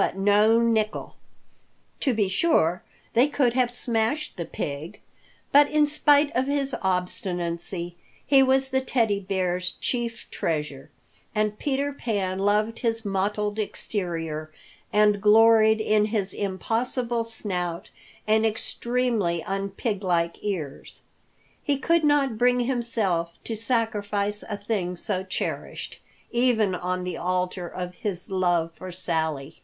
But no nickel! To be sure, they could have smashed the pig, but in spite of his obstinacy he was the Teddy Bear's chief treasure, and Peter Pan loved his mottled exterior and gloried in his impossible snout and extremely unpiglike ears. He could not bring himself to sacrifice a thing so cherished, even on the altar of his love for Sally.